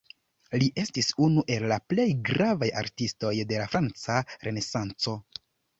Li estis unu el la plej gravaj artistoj de la franca Renesanco.